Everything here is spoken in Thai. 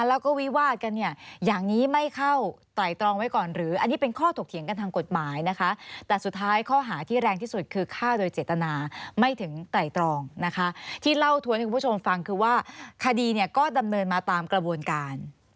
แล้วก็วิวาสกันเนี่ยอย่างนี้ไม่เข้า